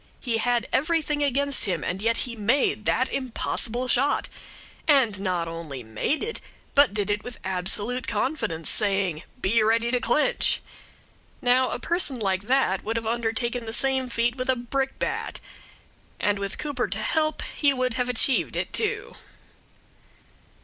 He had everything against him, and yet he made that impossible shot; and not only made it, but did it with absolute confidence, saying, "Be ready to clench." Now a person like that would have undertaken that same feat with a brickbat, and with Cooper to help he would have achieved it, too.